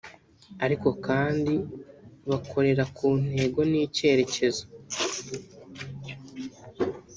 ariko kandi bakorera ku ntego n’icyerekezo